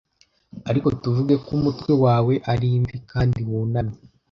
Ariko tuvuge ko umutwe wawe ari imvi, kandi wunamye